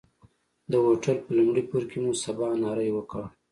د هوټل په لومړي پوړ کې مو سباناری وکړ.